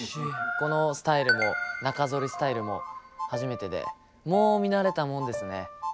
このスタイルも中剃りスタイルも初めてでもう見慣れたもんですね。